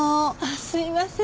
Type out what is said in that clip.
すみません。